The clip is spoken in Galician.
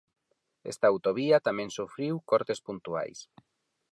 Esta autovía tamén sufriu cortes puntuais.